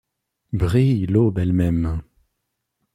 Brille l’aube elle-même ;